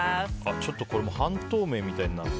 ちょっと、これ半透明みたいになって。